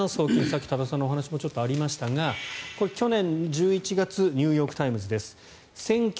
さっき多田さんの話もちょっとありましたがこれ、去年１１月のニューヨーク・タイムズです。